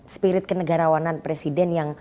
spirit kenegarawanan presiden yang